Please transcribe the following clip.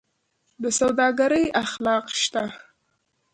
د سوداګرۍ اخلاق شته؟